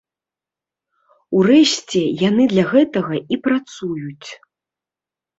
Урэшце, яны для гэтага і працуюць.